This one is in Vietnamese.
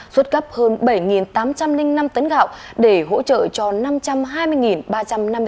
xuất gấp hơn bảy tám trăm linh năm tấn gạo để hỗ trợ cho năm trăm hai mươi ba trăm năm mươi ba tấn gạo